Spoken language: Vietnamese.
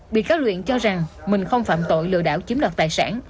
bị cáo luyện cho rằng mình không phạm tội lừa đảo chiếm đoạt tài sản